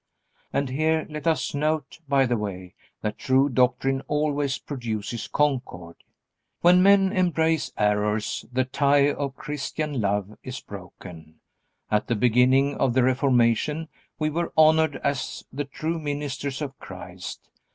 And here let us note, by the way, that true doctrine always produces concord. When men embrace errors, the tie of Christian love is broken. At the beginning of the Reformation we were honored as the true ministers of Christ.